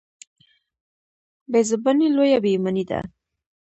بېزباني لویه بېايماني ده.